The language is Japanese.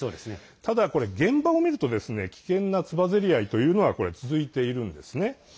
ただ、現場を見ると危険なつばぜり合いというのは続いているんですね。